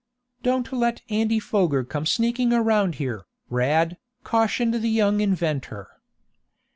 "Don't let Andy Foger come sneaking around here, Rad," cautioned the young inventor.